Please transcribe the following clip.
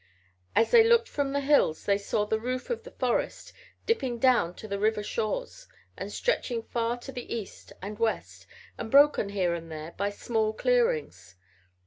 As they looked from the hills they saw the roof of the forest dipping down to the river shores and stretching far to the east and west and broken, here and there, by small clearings.